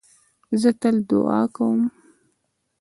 زه تل دؤعا کوم.